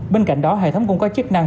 bên cạnh đó hệ thống cũng có chức năng